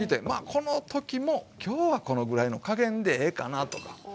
この時も今日はこのぐらいの加減でええかなとかね。